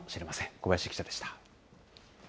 小林記者でした。